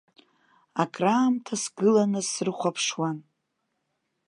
Акраамҭа сгыланы срыхәаԥшуан.